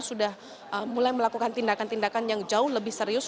sudah mulai melakukan tindakan tindakan yang jauh lebih serius